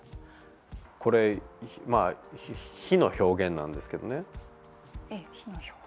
これ、火の表現なんですけどね。